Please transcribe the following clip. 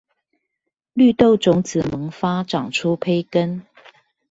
綠豆種子萌發長出胚根